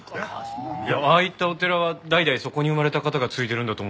ああいったお寺は代々そこに生まれた方が継いでるんだと思ってました。